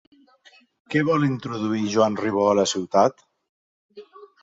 Què vol introduir Joan Ribó a la ciutat?